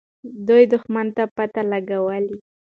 دوی دښمن ته پته لګولې.